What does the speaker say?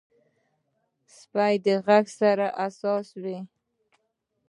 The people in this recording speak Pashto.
سپي د غږ سره حساس وي.